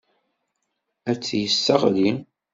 Ad t-yesseɣli.